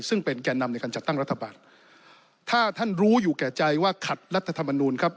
ซึ่งเป็นแก่นำในการจัดตั้งรัฐบาลถ้าท่านรู้อยู่แก่ใจว่าขัดรัฐธรรมนูลครับ